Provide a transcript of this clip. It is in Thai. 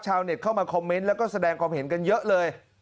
เข้ามาคอมเมนต์แล้วก็แสดงความเห็นกันเยอะเลย